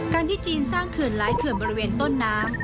การที่จีนสร้างเขื่อนหลายเขื่อนบริเวณต้นน้ำ